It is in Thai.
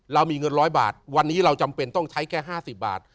เรามีเงิน๑๐๐บาทวันนี้เราจำเป็นต้องใช้แค่๕๐บาท